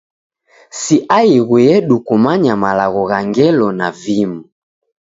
Si aighu yedu kumanya malagho gha ngelo na vimu.